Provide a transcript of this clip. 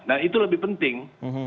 nah itu lebih penting